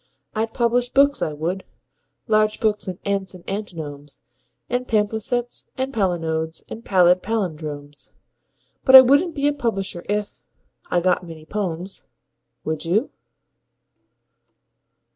I'd publish books, I would large books on ants and antinomes And palimpsests and palinodes and pallid pallindromes: But I wouldn't be a publisher if .... I got many "pomes." Would you?